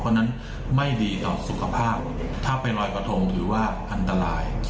เพราะฉะนั้นไม่ดีต่อสุขภาพถ้าไปลอยกระทงถือว่าอันตราย